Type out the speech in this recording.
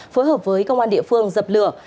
phối hợp với công an địa phương dập lửa